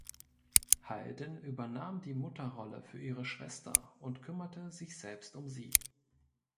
Halden übernahm die Mutterrolle für ihre Schwester und kümmerte sich selbst um sie.